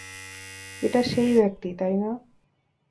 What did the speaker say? এটা সেই ব্যাক্তি, তাই না?